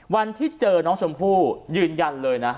วันที่เจอน้องชมพู่ยืนยันเลยนะ